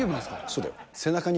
そうだよ。